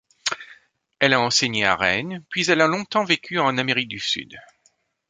Elle a enseigné à Rennes puis elle a longtemps vécu en Amérique du Sud.